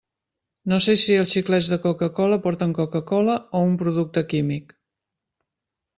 No sé si els xiclets de Coca-cola porten Coca-cola o un producte químic.